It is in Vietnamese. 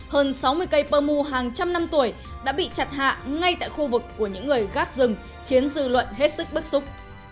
hơn sáu mươi cây pơ mu hàng trăm năm tuổi đã bị chặt hạ ngay tại khu vực của những người gác rừng khiến dư luận hết sức bức xúc